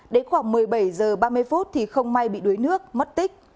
đến khoảng một mươi bảy h ba mươi thì không may bị đuối nước mất tích